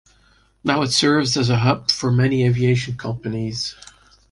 Now it serves as a hub for many aviation companies.